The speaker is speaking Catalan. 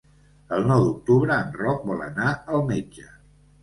El nou d'octubre en Roc vol anar al metge.